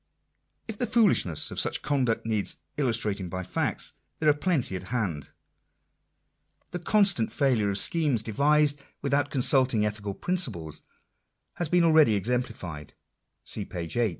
If the foolishness of such conduct needs illustrating by facts, there are plenty at hand. The constant failure of schemes devised without consulting ethical principles has been already exemplified (see page 8).